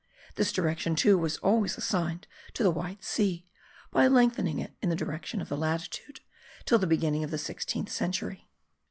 This direction, too, was always assigned to the White Sea, by lengthening it in the direction of the latitude, till the beginning of the sixteenth century.